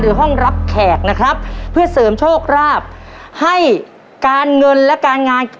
ห้องรับแขกนะครับเพื่อเสริมโชคราบให้การเงินและการงาน